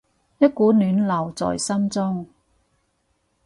一股暖流在心中